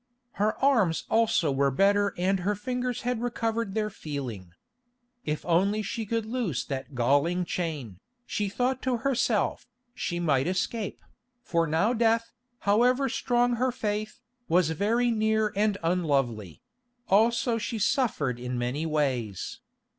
Her arms also were better and her fingers had recovered their feeling. If only she could loose that galling chain, she thought to herself, she might escape, for now death, however strong her faith, was very near and unlovely; also she suffered in many ways.